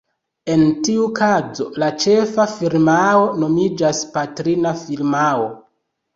En tiu kazo la ĉefa firmao nomiĝas "patrina firmao".